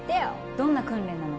どんな訓練なの？